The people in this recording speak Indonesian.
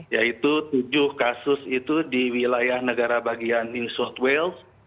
yaitu tujuh kasus itu di wilayah negara bagian insult wales